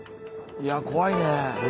いや怖いね。